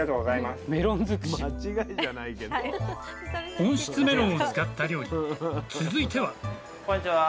温室メロンを使った料理続いてはこんにちは。